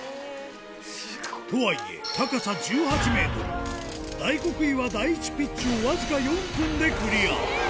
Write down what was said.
とはいえ、高さ１８メートル、大黒岩第１ピッチを僅か４分でクリア。